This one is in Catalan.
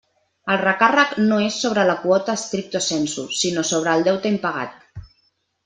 El recàrrec no és sobre la quota stricto sensu, sinó sobre el deute impagat.